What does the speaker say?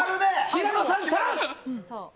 平野さん、チャンス！